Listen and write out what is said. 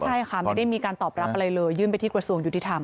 ใช่ค่ะไม่ได้มีการตอบรับอะไรเลยยื่นไปที่กระทรวงยุติธรรม